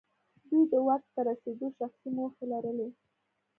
دوی د واک ته رسېدو شخصي موخې لرلې.